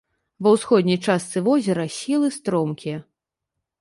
Ва ўсходняй частцы возера схілы стромкія.